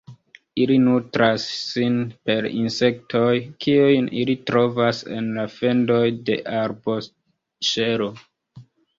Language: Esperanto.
Ili nutras sin per insektoj, kiujn ili trovas en la fendoj de arboŝelo.